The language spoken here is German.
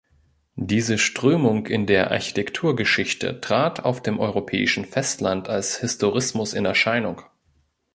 Diese Strömung in der Architekturgeschichte trat auf dem europäischen Festland als Historismus in Erscheinung.